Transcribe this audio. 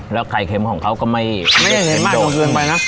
แล้วไข่เค็มของเขาก็ไม่ได้เค็มมากจนเกินไปนะ